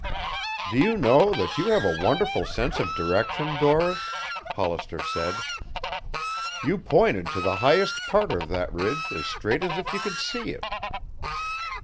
"Do you know that you have a wonderful sense of direction, Doris?" Hollister said. "You pointed to the highest part of that ridge as straight as if you could see it."